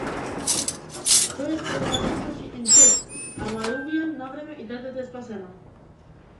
Тој се спрема да изврши инцест, ама е убиен навреме и детето е спасено.